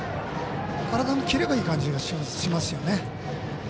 体のキレがいい感じがしますよね。